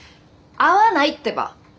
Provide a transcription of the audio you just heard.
会わないってば。